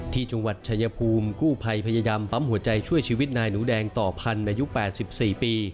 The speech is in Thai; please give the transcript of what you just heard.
ที่จังหวัดชายภูมิกู้ภัยพยายามปั๊มหัวใจช่วยชีวิตนายหนูแดงต่อพันธ์อายุ๘๔ปี